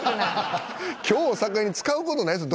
今日を境に使う事ないですよ